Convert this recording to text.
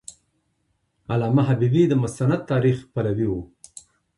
علامه حبیبي د مستند تاریخ پلوی و.